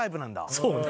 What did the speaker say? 「そうね」